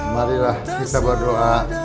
marilah kita berdoa